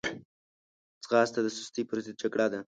ځغاسته د سستي پر ضد جګړه ده